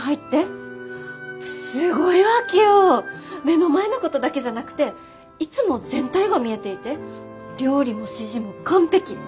目の前のことだけじゃなくていつも全体が見えていて料理も指示も完璧。